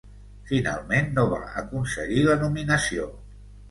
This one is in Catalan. Finalment, no va aconseguir la nominació.